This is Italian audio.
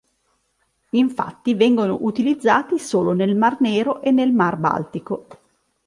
Infatti, vengono utilizzati solo nel Mar Nero e nel Mar Baltico.